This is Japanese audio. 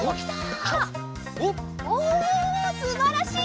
おおすばらしい！